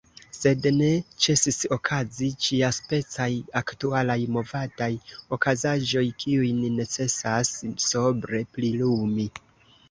Sed ne ĉesis okazi ĉiaspecaj aktualaj movadaj okazaĵoj, kiujn necesas sobre prilumi.